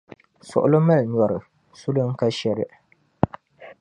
suɣulo mali nyɔri, suli n-ka shɛli.